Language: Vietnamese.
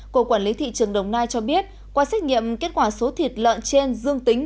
cộng quản lý thị trường đồng nai cho biết qua xét nghiệm kết quả số thịt lợn trên dương tính